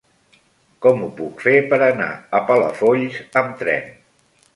Com ho puc fer per anar a Palafolls amb tren?